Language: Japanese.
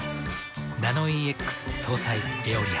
ナノイーＸ搭載「エオリア」。